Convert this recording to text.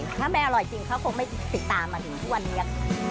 ถ้าไม่อร่อยจริงเขาคงไม่ติดตามมาถึงทุกวันนี้